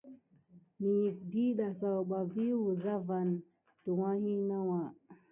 Nəyəka ɗiɗa zaouɓa vi wulza vane tuwaki nawà.